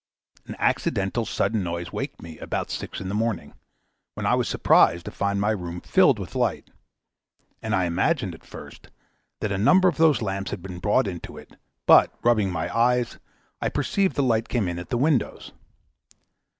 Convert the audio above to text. An accidental sudden noise waked me about six in the morning, when I was surprised to find my room filled with light; and I imagined at first, that a number of those lamps had been brought into it; but, rubbing my eyes, I perceived the light came in at the windows.